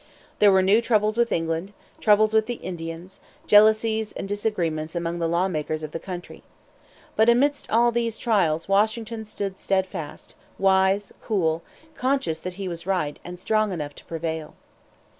There were new troubles with England, troubles with the Indians, jealousies and disagreements among the lawmakers of the country. But amidst all these trials Washington stood steadfast, wise, cool conscious that he was right, and strong enough to prevail.